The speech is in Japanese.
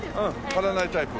貼らないタイプ。